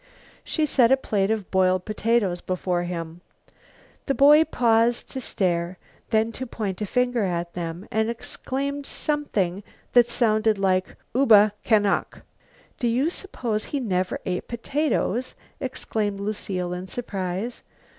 She set a plate of boiled potatoes before him. The boy paused to stare, then to point a finger at them, and exclaimed something that sounded like: "Uba canok." "Do you suppose he never ate potatoes?" exclaimed Lucile in surprise.